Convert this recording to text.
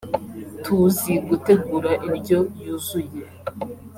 tuzi gutegura indyo yuzuye